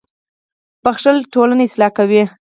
• بښل ټولنه اصلاح کوي.